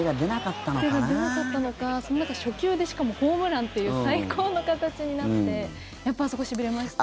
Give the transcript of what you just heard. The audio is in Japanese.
手が出なかったのか初球で、しかもホームランという最高の形になってやっぱりあそこしびれましたね。